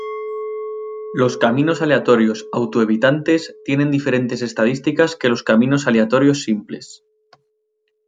Los caminos aleatorios auto-evitantes tienen diferentes estadísticas que los caminos aleatorios simples.